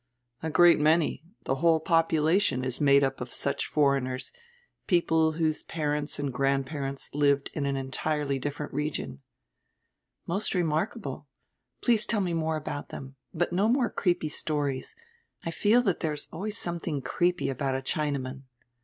"A great many. The whole population is made up of such foreigners, people whose parents and grandparents lived in an entirely different region." "Most remarkable. Please tell me more about diem. But no more creepy stories. I feel that there is always some tiling creepy ahout a Chinaman."